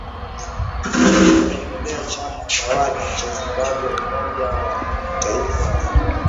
Kwa kukipendelea chama tawala cha Zimbabwe Umoja wa Kitaifa wa Afrika.